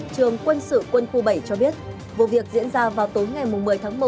trường quân sự quân khu bảy cho biết vụ việc diễn ra vào tối ngày một mươi tháng một